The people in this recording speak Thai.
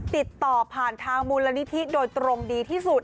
ติดต่อผ่านทางมูลนิธิโดยตรงดีที่สุด